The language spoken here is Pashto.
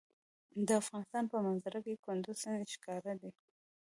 د افغانستان په منظره کې کندز سیند ښکاره دی.